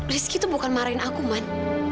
rizky tuh bukan marahin aku man